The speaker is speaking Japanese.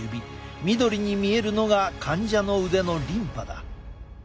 緑に見えるのが患者の腕のリンパだ。